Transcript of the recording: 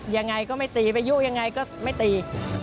ยังไงก็ไม่ตีไปยุยังไงก็ไม่ตี